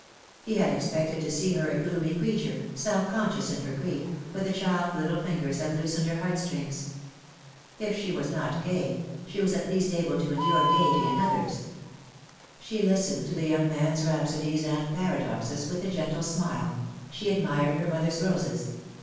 He had expected to see her a gloomy creature, self conscious in her grief — but the child's little fingers had loosened her heart strings. If she was not gay, she was THE DAY WILL COME. 139 at least able to endure gaiety in others. She listened to the young man's rhapsodies and paradoxes with a gentle smile; she admired her mother's roses.